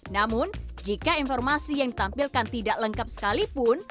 namun jika informasi yang ditampilkan tidak lengkap sekalipun